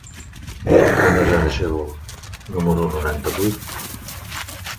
Què hi ha al pont de Sarajevo número noranta-vuit?